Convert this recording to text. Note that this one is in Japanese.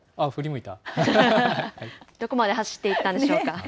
どこまで走っていったんでし